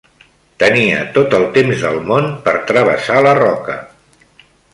Tenia tot el temps del món per travessar la roca.